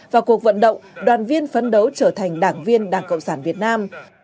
và cuộc vận động đoàn viên phấn đấu trở thành đảng viên đảng cộng sản việt nam